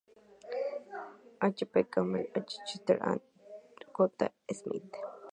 H. Campbell, H. Cheers and J. Smith.